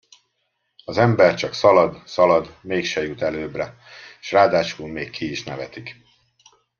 Az ember csak szalad, szalad, mégse jut előbbre, s ráadásul még ki is nevetik.